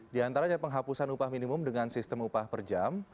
di antaranya penghapusan upah minimum dengan sistem upah per jam